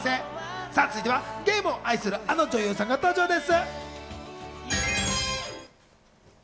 続いてはゲームを愛するあの女優さんが登場です。